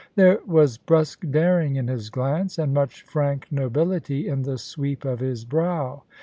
There was brusque daring in his glance, and much frank nobility in the sweep of his brow.